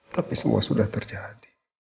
tapi semua sudah terjadi